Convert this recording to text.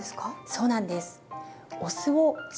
そうなんです。